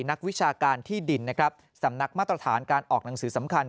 นักวิชาการที่ดินนะครับสำนักมาตรฐานการออกหนังสือสำคัญ